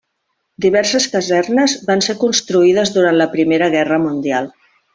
Diverses casernes van ser construïdes durant la Primera Guerra Mundial.